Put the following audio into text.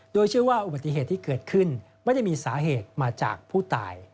โดยเชื่อว่าอุบัติเหตุที่เกิดขึ้นไม่ได้มีสาเหตุมาจากผู้ตาย